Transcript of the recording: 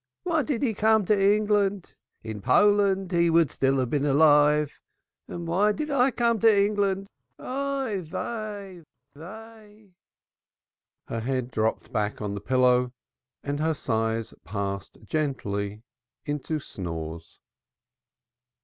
Why did he come to England? In Poland he would still have been alive. And why did I come to England? Woe! Woe'" Her head dropped back on the pillow and her sighs passed gently into snores.